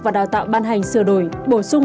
và đào tạo ban hành sửa đổi bổ sung